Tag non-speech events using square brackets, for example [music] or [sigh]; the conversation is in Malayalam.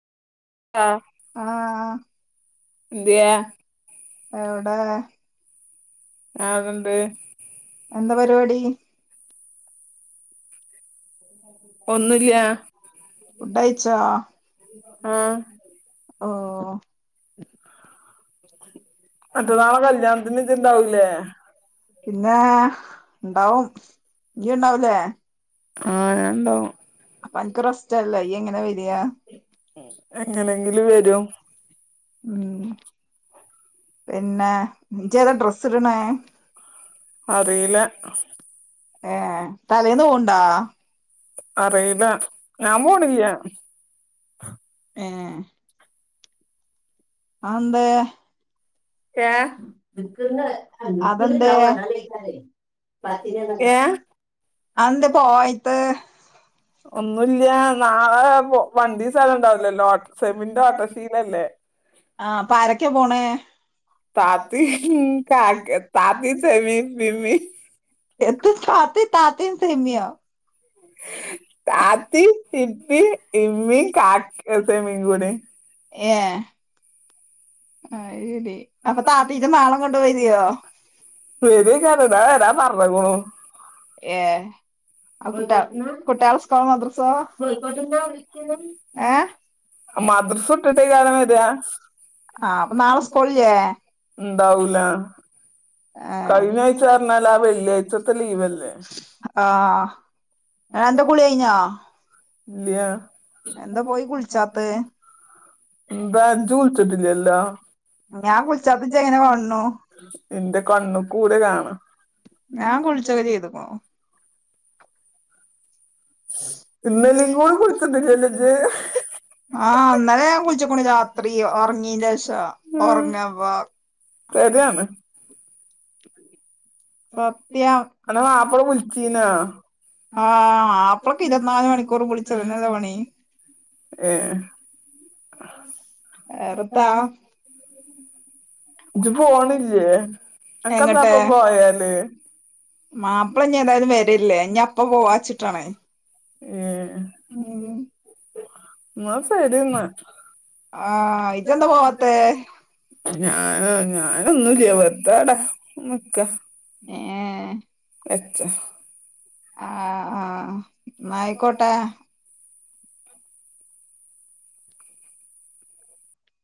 ആഹ് ആഹാ എന്ത്യേ എവിടെ? ആഹ് ഇവിടെണ്ട് എന്താ പരിപാടി? [inaudible] ഒന്നൂ ല്ല്യ ഫുഡഴിച്ചോ ആഹാ... ! ഓ മറ്റനാള കല്യാണത്തിന് ഇജ് ഇണ്ടാവുലേ? പിന്നാ ണ്ടാവും നീ ഉണ്ടാവുലെ ആഹ് ഞാൻ ഇണ്ടാവും [inaudible] അപ്പോ അനക്ക് റെസ്റ്റലെ ഈയ് എങ്ങനെ വരിയാ? എങ്ങനെങ്കിലും വരും ഉം... ! പിന്നെ ഇജ്ജ് ഏതാ ഡ്രസ്സ് ഇടണെ അറിയില്ല ഏ തലേന്ന് പോണ്ടാ [unintelligible] ഞൻ പോണില്ല. ഏഹ് അന്തേ ഏഹ് അതെന്തേ? ഏഹ് അന്ത് പോയത്ത് ഒന്നുല്ല പിന്നെന്ത്യേ നാളെ പോ വണ്ടി സ്ഥലം ഇണ്ടാവൂലല്ലോ ഓ സെമിന്റെ ഓട്ടോറിക്ഷീലല്ലേ വണ്ടിണ്ടല്ലോട്ടല്ലേ [unintelligible] ആ അപ്പആരൊക്ക്യ പോണെ താതി കാക്കെ താതി ചെമി പിമി. എന്ത് താത്തി താത്തി സൈമ്യാ താത്തി, ഇപ്പി ചിപ്പി, ഇമ്മീം ഇമ്മി. കാ സെമിം കൂടി [unintelligible] ഏ ആഹാ ശരി അപ്പോ താത്തിച്ച നാണം കൊണ്ടു വേരോ. വരൈകാരം ഞാന് വരാം പറ്ഞ്ഞുക്കുണു ഹേ... ! ആ കുട്ട കുട്ടാളെ സ്കോൾ മദ്രസാ ഏ മദ്രസ വിട്ടിട്ടന്ന്യാണോ വര്വാ ആഹാ അപ്പോ നാളെ സ്കൂളില്ലേ? ഉണ്ടാവൂല ഏഹ് കഴിഞ്ഞ ആഴ്ച പറഞ്ഞാല് ആ വെള്ളിയാഴ്ചത്തെ ലീവല്ലേ അഹ് അന്റെ കുളി കഴിഞ്ഞോ? ഇല്ലാ.. എന്താ പോയി കുളിച്ചാത്ത് ! ന്താ ഇജ് ള്ളിച്ചിട്ടില്ലല്ലോ ഞാൻ കുളിച്ചാത്ത ഇജ്ജ് എങ്ങനെ കാൺണു എന്റെ കണ്ണ് കൂടേ ലാണ് ഞാൻ കുളിച്ചൊക്കെ ചെയ്തുക്കുണു ഇന്നലേം കൂടി വിളിച്ചിട്ടില്ലല്ലോ ഇജ്ജ് [inaudible] അഹ് ഇന്നലെ ഞാൻ കുളിച്ചുക്ക്ണു രാത്രി ഉറങ്ങീന്റേ ഷോ ഉറങ്ങമ്പൊ [unintelligible] സത്യം. അന്റെ മാപ്പള വിളിച്ചീനാ ആഹ് ആ പ്പിളക്ക് ഇരുപത്തി നാല് മണിക്കൂറും കുളിച്ചു ഒരുങ്ങൽ ല്ലോ പണി ഏഹ്.. ! ഏറെ ന്താ [inaudible] പോണില്ലേ അങ്ട്ട്. അനക്കെന്താപ്പ പോയാല് മാപ്പിള നി ഏതായാലും വരില്ലേ ഇനി അപ്പപോവാച്ചിട്ടാണ് ഏ ന്ന ശെരി എന്ന ആഹാ ഇജ്ജ്ന്താ പോവാത്തെ,? ഞാനൊ ഞാൻ ഒന്നുംല്ലാ വെറുതെ അവിടെ നിക്ക. ഏ... ! [unintelligible] ആഹ് ആഹ് അഹ് ന്നാ ആയിക്കോട്ടേ